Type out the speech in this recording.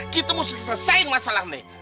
kita mesti selesaiin masalah nih